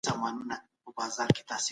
زه هر سهار کافي څښم.